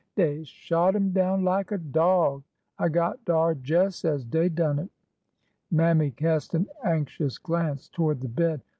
" Dey shot him down lak a dog! I got dar jes' as dey done it." Mammy cast an anxious glance toward the bed.